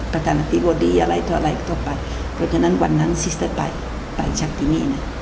ประธานาธิบดีอะไรต่อไปเพราะฉะนั้นวันนั้นซิสเตอร์ไปไปจากที่นี่นะ